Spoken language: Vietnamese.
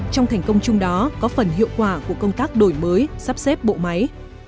trong thành công chung đó có phần hiệu quả của công tác đổi mới sắp xếp bộ máy